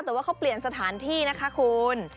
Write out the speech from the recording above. แต่ว่าเขาเปลี่ยนสถานที่นะคะคุณ